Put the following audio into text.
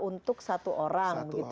untuk satu orang